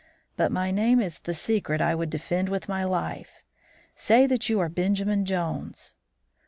'But my name is the secret I would defend with my life. Say that you are Benjamin Jones.'